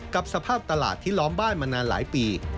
กับสภาพตลาดที่ล้อมบ้านมานานหลายปี